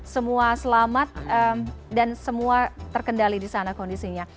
semua selamat dan semua terkendali di sana kondisinya